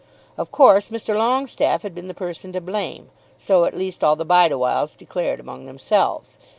Of course Mr. Longestaffe had been the person to blame, so at least all the Bideawhiles declared among themselves.